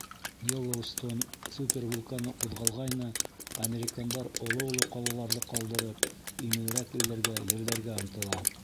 Йеллоустон супер вулканы ҡуҙғалғайны, американдар, оло-оло ҡалаларҙы ҡалдырып, именерәк илдәргә, ерҙәргә ынтыла.